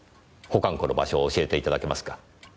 保管庫の場所を教えていただけますか？